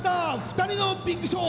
「ふたりのビッグショー」